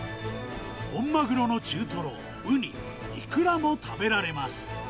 本マグロの中トロ、ウニ、イクラも食べられます。